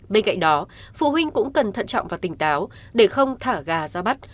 bên cạnh đó phụ huynh cũng cần thận trọng và tỉnh táo để không thả gà ra bắt